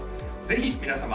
ぜひ皆様